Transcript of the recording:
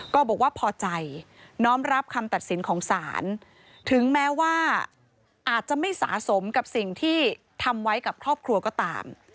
ก็บอกว่าพอใจน้อมรับคำตัดสินของศาลถึงแม้ว่าอาจจะไม่สะสมกับสิ่งที่ทำไว้กับครอบครัวก็ตาม